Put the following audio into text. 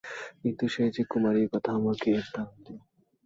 কিন্তু, সে যে কুমারী এ কথা আমাকে এ বলিল।